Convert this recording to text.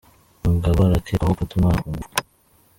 Umugabo Arakekwaho gufata umwana ku ngufu